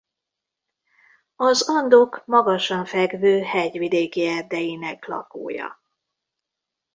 Az Andok magasan fekvő hegyvidéki erdeinek lakója.